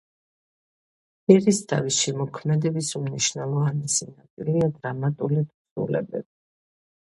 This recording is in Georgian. ერისთავის შემოქმედების უმნიშვნელოვანესი ნაწილია დრამატული თხზულებები.